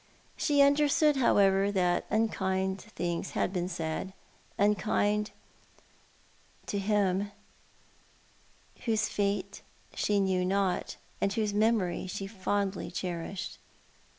She understood, however, that unkind things had been said — unkind to him whoso fate she knew not, and whose memory she fondly cherished.